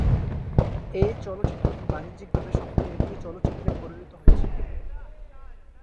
এই চলচ্চিত্রটি বাণিজ্যিক ভাবে সফল একটি চলচ্চিত্রে পরিণত হয়েছিল।